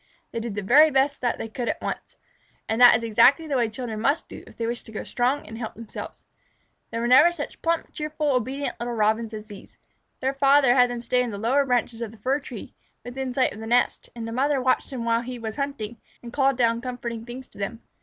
they did the very best they could at once. And that is exactly the way children must do if they wish to grow strong and help themselves. There never were such plump, cheerful, and obedient little Robins as these. Their father had them stay in the lower branches of the fir tree, within sight of the nest, and the mother watched them while he was hunting, and called down comforting things to them.